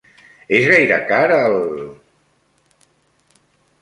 És gaire car el??